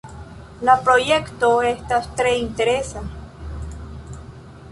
La projekto estas tre interesa.